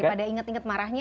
daripada inget inget marahnya